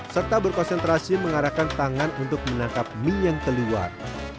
serta berkonsentrasi mengarahkan tangan untuk menangkap mie yang keluar